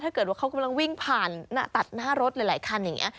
ถ้าเกิดว่าเขากำลังวิ่งผ่านตัดหน้ารถหลายคันอย่างนี้